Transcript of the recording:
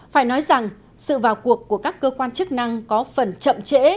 phải nói rằng sự vào cuộc của các cơ quan chức năng có phần chậm trễ